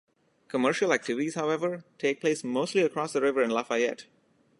Commercial activities, however, take place mostly across the river in Lafayette.